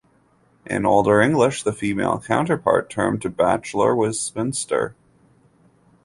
In older English, the female counterpart term to "bachelor" was "spinster".